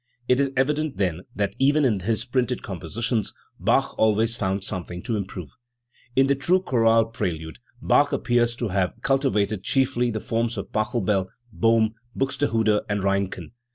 It is evident, then, that even in his printed compositions Bach always found something to improve. In the true chorale prelude, Bach appears to have culti* vated chiefly the forms of Pachelbel, Bohm, Buxtehude, and Reinken.